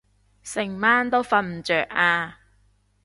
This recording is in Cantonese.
成晚都瞓唔著啊